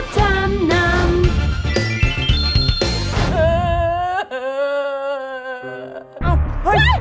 เกมรับทางนำ